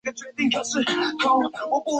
她怕大家也变得不方便